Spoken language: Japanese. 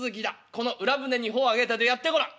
『この浦舟に帆を上げて』とやってごらん」。